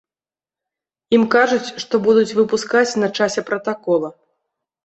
Ім кажуць, што будуць выпускаць на часе пратакола.